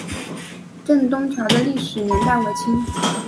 镇东桥的历史年代为清。